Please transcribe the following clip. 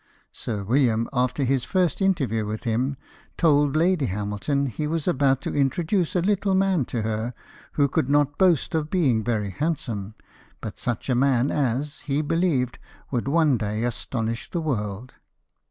Sir William, after his first interview with him, told Lady Hamilton he was about to introduce a Httle man to her, who could not bo^st of being very handsome, but such a man as, he believed, would one day astonish the world.